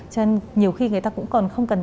cho nên nhiều khi người ta cũng còn không cần